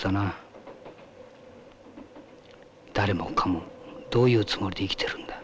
誰もかもどういうつもりで生きてるんだ。